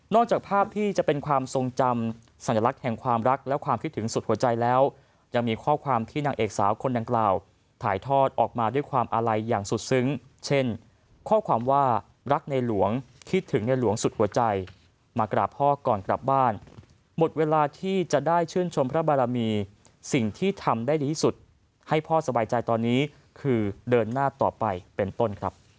จากภาพที่จะเป็นความทรงจำสัญลักษณ์แห่งความรักและความคิดถึงสุดหัวใจแล้วยังมีข้อความที่นางเอกสาวคนดังกล่าวถ่ายทอดออกมาด้วยความอาลัยอย่างสุดซึ้งเช่นข้อความว่ารักในหลวงคิดถึงในหลวงสุดหัวใจมากราบพ่อก่อนกลับบ้านหมดเวลาที่จะได้ชื่นชมพระบารมีสิ่งที่ทำได้ดีที่สุดให้พ่อสบายใจตอนนี้คือเดินหน้าต่อไปเป็นต้นครับ